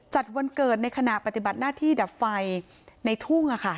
วันเกิดในขณะปฏิบัติหน้าที่ดับไฟในทุ่ง